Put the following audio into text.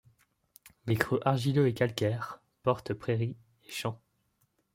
Les creux argileux et calcaires portent prairies et champs.